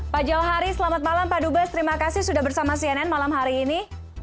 pak jauhari selamat malam pak dubes terima kasih sudah bersama cnn malam hari ini